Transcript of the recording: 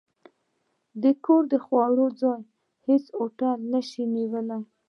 د کور د خوړو، ځای هېڅ هوټل نه شي نیولی.